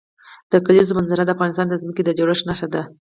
د کلیزو منظره د افغانستان د ځمکې د جوړښت نښه ده.